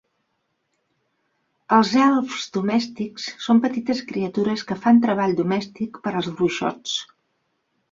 Els elfs domèstics són petites criatures que fan treball domèstic per als bruixots.